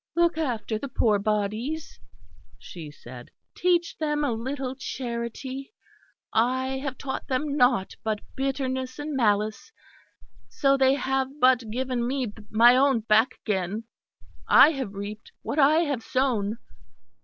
"Look after the poor bodies," she said, "teach them a little charity; I have taught them nought but bitterness and malice, so they have but given me my own back again. I have reaped what I have sown."